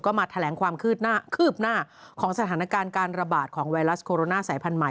ก็มาแถลงความคืบหน้าของสถานการณ์การระบาดของไวรัสโคโรนาสายพันธุ